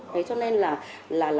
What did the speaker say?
thế cho nên là